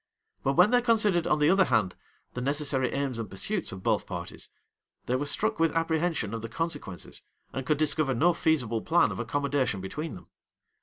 But when they considered, on the other hand, the necessary aims and pursuits of both parties, they were struck with apprehension of the consequences, and could discover no feasible plan of accommodation between them.